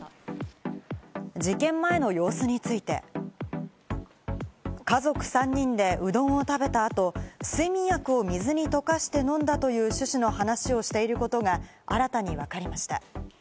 事件前の様子について、家族３人でうどんを食べた後、睡眠薬を水に溶かして飲んだという趣旨の話をしていることが新たにわかりました。